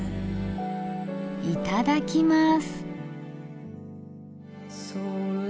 いただきます。